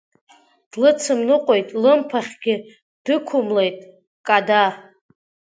Длыцымныҟәеит, лымԥахьгьы дықәымлеит Када.